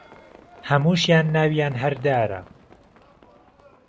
هەمووشیان ناویان هەر دارە